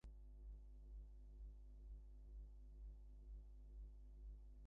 However, unlike Yarwood, Forsyth bounced back and enjoyed success with "Play Your Cards Right".